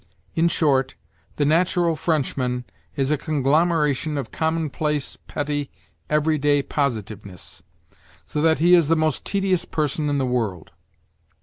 In short, the natural Frenchman is a conglomeration of commonplace, petty, everyday positiveness, so that he is the most tedious person in the world.